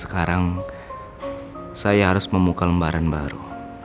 sekarang saya harus membuka lembaran baru